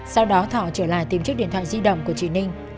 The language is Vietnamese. sau đó thỏa trở lại tìm chiếc điện thoại di động của trị ninh